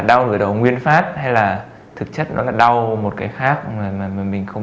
đau nửa đầu nguyên phát hay là thực chất nó là đau một cái khác mà mình không